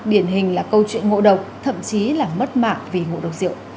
điển hình là câu chuyện ngộ độc thậm chí là mất mạng vì ngộ độc rượu